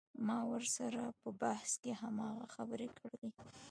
ما ورسره په بحث کښې هماغه خبرې کړلې.